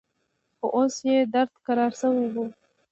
خو اوس يې درد کرار سوى و.